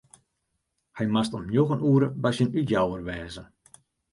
Hy moast om njoggen oere by syn útjouwer wêze.